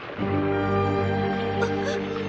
あっ！